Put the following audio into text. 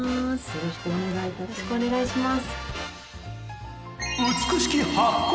よろしくお願いします。